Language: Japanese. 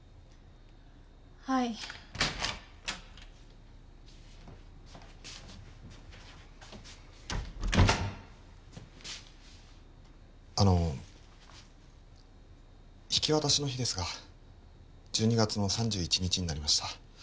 はいあの引き渡しの日ですが１２月の３１日になりました